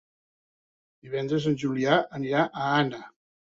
Divendres en Julià anirà a Anna.